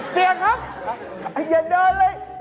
เสียครับอย่าเดินเลย